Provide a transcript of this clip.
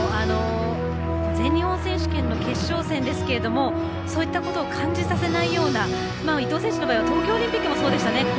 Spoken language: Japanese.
全日本選手権の決勝戦ですがそういったことを感じさせないような伊藤選手の場合は東京オリンピックもそうでしたね。